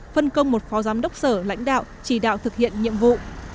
phân công một phó giám đốc sở lãnh đạo chỉ đạo thực hiện nhiệm vụ